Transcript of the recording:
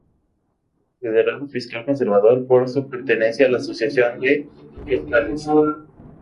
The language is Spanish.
Considerado fiscal conservador por su pertenencia a la Asociación de Fiscales.